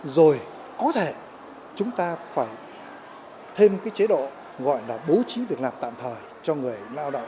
rồi có thể chúng ta phải thêm cái chế độ gọi là bố trí việc làm tạm thời cho người lao động